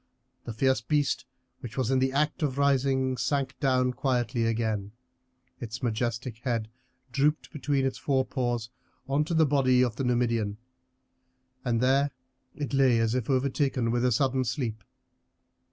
The fierce beast, which was in the act of rising, sank down quietly again; its majestic head drooped between its forepaws on to the body of the Numidian, and there it lay as if overtaken with a sudden sleep.